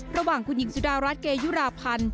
ระหว่างคุณหญิงสุดารัฐเกยุราพันธ์